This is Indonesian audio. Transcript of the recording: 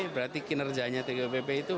berarti kinerjanya tgupp itu